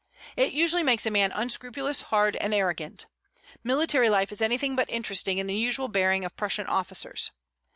It usually makes a man unscrupulous, hard, and arrogant. Military life is anything but interesting in the usual bearing of Prussian officers.